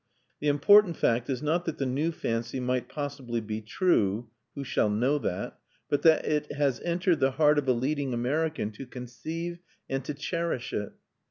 The important fact is not that the new fancy might possibly be true who shall know that? but that it has entered the heart of a leading American to conceive and to cherish it.